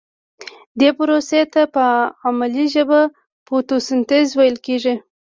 دې پروسې ته په علمي ژبه فتوسنتیز ویل کیږي